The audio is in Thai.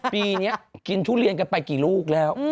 ปีนี้กินทุเรียนกันไปกี่ลูกแล้ว